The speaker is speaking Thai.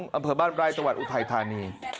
ที่อำเภบาลไล้ตะวัดอุทัยธานี